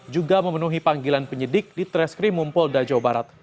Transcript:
juga memenuhi panggilan penyidik di treskrim mumpolda jawa barat